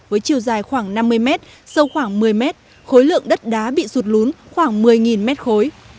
với chiều dài khoảng năm mươi mét sâu khoảng một mươi mét khối lượng đất đá bị sụt lún khoảng một mươi mét khối